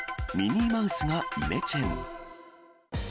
ミニーマウスがイメチェン。